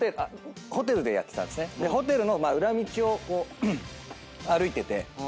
ホテルの裏道を歩いてて。